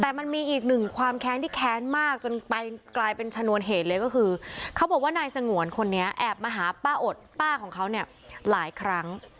แต่มันมีอีกหนึ่งความแค้นที่แค้นมากจนไปกลายเป็นชนวนเหตุเลยก็คือเขาบอกว่านายสงวนคนนี้แอบมาหาป้าอดป้าของเขาเนี่ยหลายครั้ง